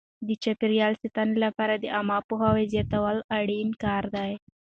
د چاپیریال ساتنې لپاره د عامه پوهاوي زیاتول یو اړین کار دی.